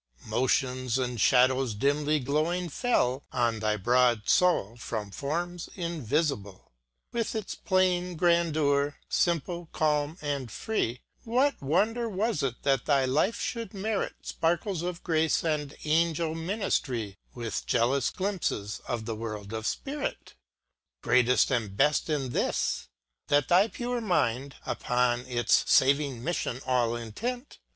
Motions and shadows dimly glowing fell On thy broad soul from forms in\ isible : With its plain grandeur, simple, calm, and free, What wonder was it that thy life should merit Sparkles of grace and angel ministry With jealous glimpses of the world of spirit ? Greatest and best in this — that thy pure mind. Upon its saving mission all intent.